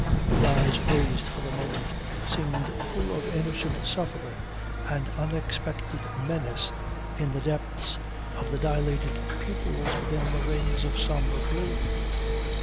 Her eyes raised for a moment seemed full of innocent suffering and unexpressed menace in the depths of the dilated pupils within the rings of sombre blue.